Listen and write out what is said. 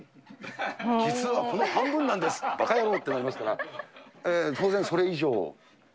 実はこの半分なんです、ばか野郎ってなりますから、当然それ以上。